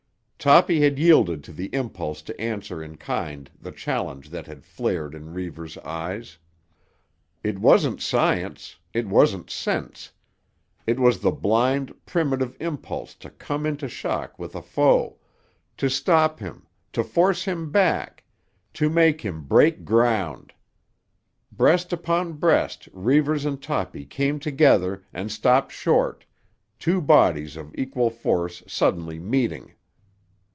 Toppy had yielded to the impulse to answer in kind the challenge that had flared in Reivers' eyes. It wasn't science; it wasn't sense. It was the blind, primitive impulse to come into shock with a foe, to stop him, to force him back, to make him break ground. Breast upon breast Reivers and Toppy came together and stopped short, two bodies of equal force suddenly meeting.